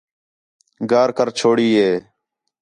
گار کر چھوڑی ہِے